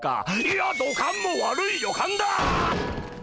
いや土管も悪い予感だ！